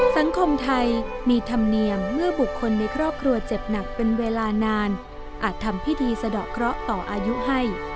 สังคมไทยมีธรรมเนียมเมื่อบุคคลในครอบครัวเจ็บหนักเป็นเวลานานอาจทำพิธีสะดอกเคราะห์ต่ออายุให้